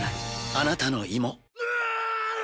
あなたの胃も。